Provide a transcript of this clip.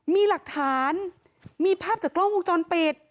มีหลักฐานมีภาพจากกล้องวงจรปิด